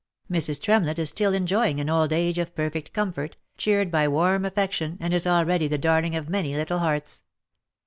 Mrs. Tremlett is still enjoying an old age of perfect comfort, cheered by warm affection, and is already the darling of many little hearts.